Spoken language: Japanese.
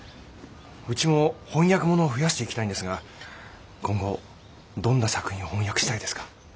うちも翻訳物を増やしていきたいんですが今後どんな作品を翻訳したいですか？